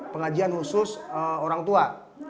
pengajian khusus orang tua